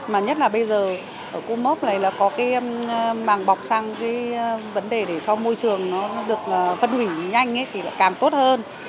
mà nhất là bây giờ ở cô móc này là có cái màng bọc sang cái vấn đề để cho môi trường nó được phân hủy nhanh thì lại càng tốt hơn